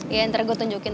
ya ntar gue tunjukin